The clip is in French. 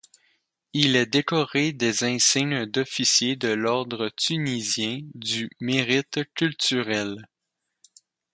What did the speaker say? Il est décoré des insignes d'officier de l'Ordre tunisien du mérite culturel.